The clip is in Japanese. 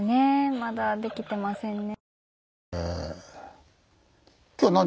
まだできてませんね。